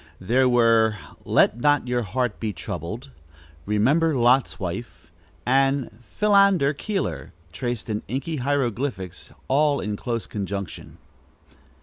There were "Let not your heart be troubled," "Remember Lot's wife," and "Philander Keeler," traced in inky hieroglyphics, all in close conjunction.